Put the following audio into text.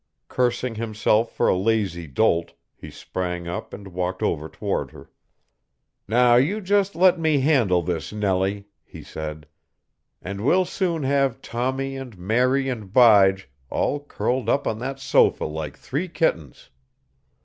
Cursing himself for a lazy dolt, he sprang up and walked over toward her. "Now, you just let me handle this, Nellie," he said, "and we'll soon have Tommie and Mary and Bige all curled up on that sofa like three kittens."